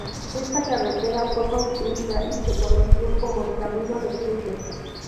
Esta carretera fue construida, y se conoció como El Camino de Cruces.